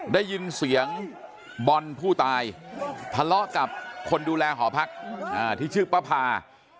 ได้ยินเสียงบอลผู้ตายทะเลาะกับคนดูแลหอพักที่ชื่อป้าพา